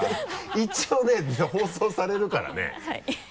一応ね放送されるからね